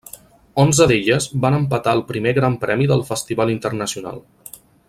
Onze d'elles van empatar el primer Gran Premi del Festival Internacional.